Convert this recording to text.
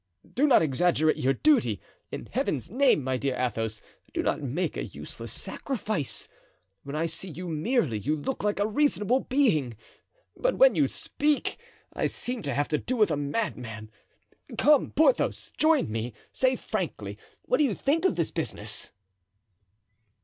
Do not exaggerate your duty. In Heaven's name, my dear Athos, do not make a useless sacrifice. When I see you merely, you look like a reasonable being; when you speak, I seem to have to do with a madman. Come, Porthos, join me; say frankly, what do you think of this business?"